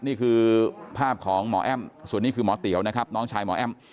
นี่คือภาพของหมอแอ้มส่วนนี้คือหมอเตี๋ยวนะครับน้องชายหมอแอ้ม